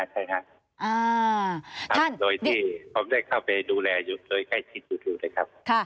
ลวยให้การพบให้ดูแรงอยู่สุดที่ค่ะ